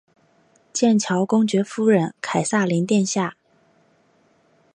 剑桥公爵夫人凯萨琳殿下。